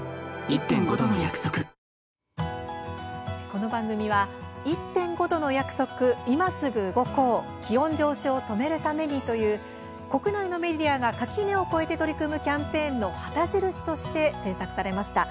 この番組は「１．５℃の約束−いますぐ動こう、気温上昇を止めるために。」という国内のメディアが垣根を超えて取り組むキャンペーンの旗印として制作されました。